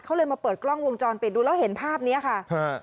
เขาเลยมาเปิดกล้องวงจรปิดดูแล้วเห็นภาพเนี้ยค่ะฮะ